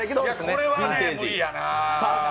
これは無理やな。